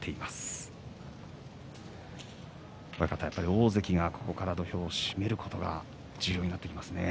大関がここから土俵を締めることが重要になってきますね。